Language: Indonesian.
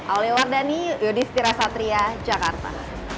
aulia wardani yudhistira satria jakarta